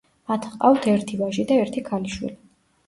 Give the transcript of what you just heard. მათ ჰყავთ ერთი ვაჟი და ერთი ქალიშვილი.